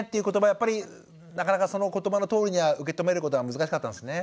やっぱりなかなかその言葉のとおりには受け止めることは難しかったんですね。